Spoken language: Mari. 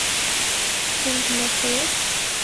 Чынжымак кает?